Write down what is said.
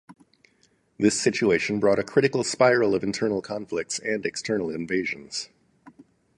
This situation brought a critical spiral of internal conflicts and external invasions.